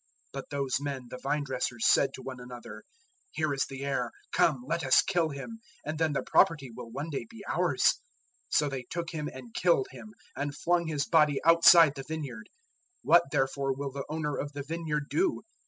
012:007 "But those men the vine dressers said to one another, "'Here is the heir: come, let us kill him, and then the property will one day be ours.' 012:008 "So they took him and killed him, and flung his body outside the vineyard. 012:009 What, therefore, will the owner of the vineyard do?"